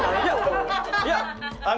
いやあの。